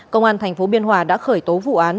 công an thành phố biên hòa đã khởi tố vụ án